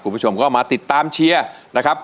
คุณผู้ชมก็มาติดตามเชียร์นะครับ